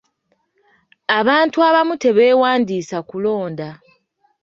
Abantu abamu tebeewandiisa kulonda.